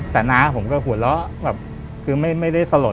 แต่นาผมก็หัวเราะเลยขึ้นไม่ได้สลดอ่ะ